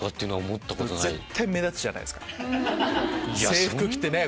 制服着てね